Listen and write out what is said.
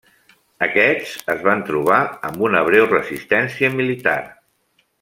Aquests es van trobar amb una breu resistència militar.